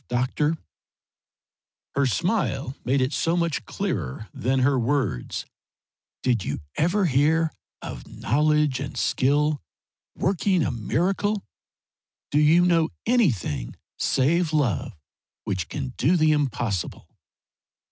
Doctor" her smile made it so much clearer than her words "did you ever hear of knowledge and skill working a miracle? Do you know anything save love which can do the impossible?"